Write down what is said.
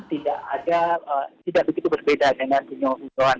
tidak begitu berbeda dengan dunia udara